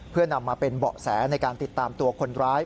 เพื่อนำมาเป็นเบาะแสในการติดตามตัวคนร้าย